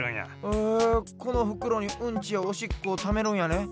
へえこのふくろにうんちやおしっこをためるんやね。